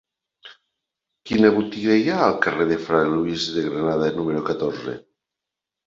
Quina botiga hi ha al carrer de Fra Luis de Granada número catorze?